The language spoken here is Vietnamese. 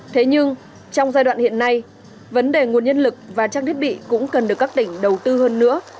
thế nhưng trong giai đoạn hiện nay vấn đề nguồn nhân lực và trang thiết bị cũng cần được các tỉnh đầu tư hơn nữa